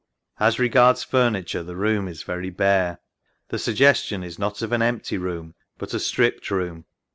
A s regards furniture the room is very bare. The suggestion is not of an empty room, but a stripped room.